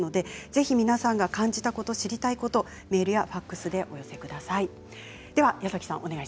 ぜひ皆さんが感じたことや知りたいことメールやファックスでお寄せください。